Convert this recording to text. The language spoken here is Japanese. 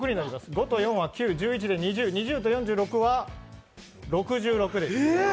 ５と４は９、２０と４６は６６です。